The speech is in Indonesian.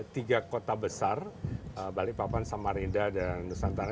tiga kota besar balikpapan samarinda dan nusantara